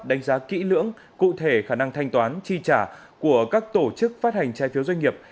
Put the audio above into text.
đánh giá kỹ lưỡng cụ thể khả năng thanh toán chi trả của các tổ chức phát hành trái phiếu doanh nghiệp